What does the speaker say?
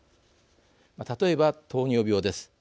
例えば糖尿病です。